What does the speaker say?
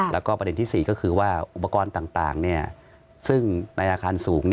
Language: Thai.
แล้วก็ประเด็นที่๔ก็คือว่าอุปกรณ์ต่างซึ่งในอาคารสูง